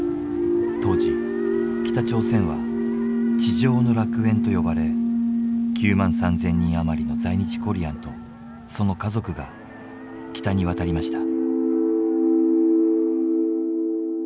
当時北朝鮮は「地上の楽園」と呼ばれ９万３，０００人余りの在日コリアンとその家族が北に渡りました。